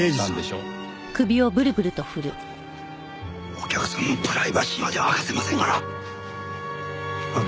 お客さんのプライバシーまでは明かせませんがな。